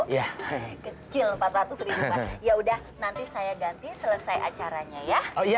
yaudah nanti saya ganti selesai acaranya ya